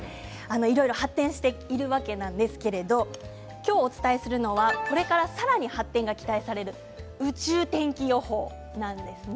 いろいろ発展しているわけなんですが今日お伝えするのはこれからさらに発展が期待される宇宙天気予報なんです。